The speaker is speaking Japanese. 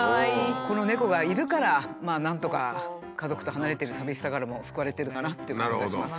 この猫がいるからなんとか家族と離れてる寂しさからも救われてるかなという感じがします。